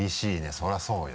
そりゃそうよ。